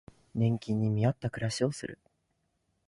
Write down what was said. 年金に見合った暮らしをする